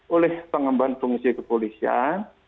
oleh pengembangan fungsi kepolisian